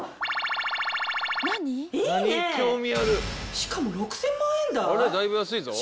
しかも６０００万円台？